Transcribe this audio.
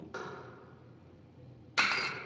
ওসব করিস না, বিশু।